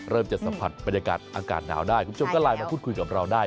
จะสัมผัสบรรยากาศอากาศหนาวได้คุณผู้ชมก็ไลน์มาพูดคุยกับเราได้